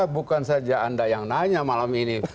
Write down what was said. bukan saja anda yang nanya malam ini